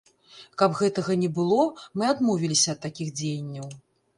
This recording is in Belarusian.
Каб гэтага не было, мы адмовіліся ад такіх дзеянняў.